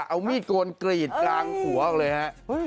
เอามีดโกนกรีดกลางหัวออกเลยฮะ